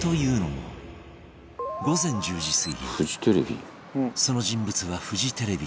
というのも午前１０時過ぎその人物はフジテレビに